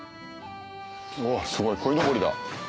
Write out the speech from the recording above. おすごいこいのぼりだ。